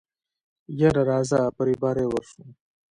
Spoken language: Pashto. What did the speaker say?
يره راځه په رېبارۍ ورشو.